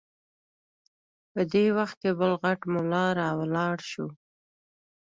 په دې وخت کې بل غټ ملا راولاړ شو.